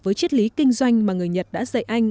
với triết lý kinh doanh mà người nhật đã dạy anh